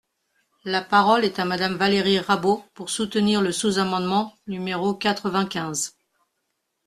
La parole est à Madame Valérie Rabault, pour soutenir le sous-amendement numéro quatre-vingt-quinze.